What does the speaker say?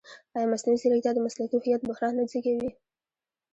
ایا مصنوعي ځیرکتیا د مسلکي هویت بحران نه زېږوي؟